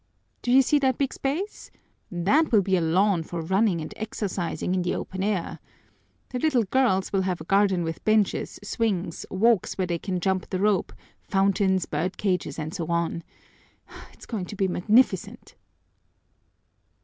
Do you see that big space? That will be a lawn for running and exercising in the open air. The little girls will have a garden with benches, swings, walks where they can jump the rope, fountains, bird cages, and so on. It's going to be magnificent!"